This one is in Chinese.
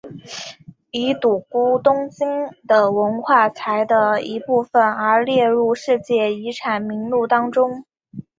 以古都京都的文化财的一部分而列入世界遗产名录当中。